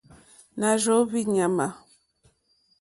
Nà rzóhwì ɲàmà.